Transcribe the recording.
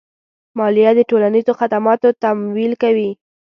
مالیه د ټولنیزو خدماتو تمویل کوي.